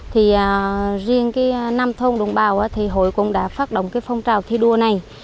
thì riêng cái năm thôn đồng bào thì hội cũng đã phát động cái phong trào thi đua này